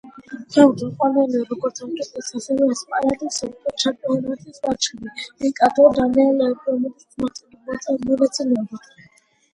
ქვემოთ მოყვანილია როგორც არგენტინის, ასევე, ესპანეთის მსოფლიო ჩემპიონატების მატჩები რიკარდო დანიელ ბერტონის მონაწილეობით.